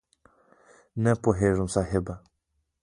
نه پوهېږم صاحب؟!